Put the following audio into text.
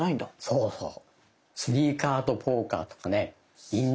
そうそう。